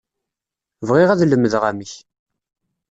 Bɣiɣ ad lemdeɣ amek.